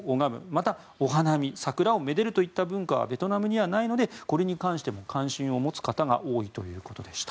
また、お花見桜を愛でるといった文化はベトナムにはないのでこれに関しても関心を持つ方が多いということでした。